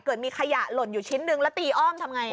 เกิดมีขยะหล่นอยู่ชิ้นนึงแล้วตีอ้อมทำไง